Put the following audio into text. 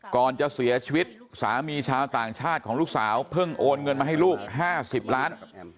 ก่อนจะเสียชีวิตสามีชาวต่างชาติของลูกสาวเพิ่งโอนเงินมาให้ลูก๕๐ล้าน